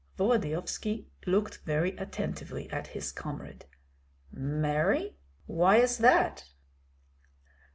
Volodyovski looked very attentively at his comrade. "Marry, why is that?"